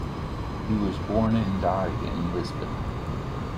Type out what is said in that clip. He was born and died in Lisbon.